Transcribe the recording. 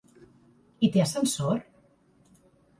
I té ascensor?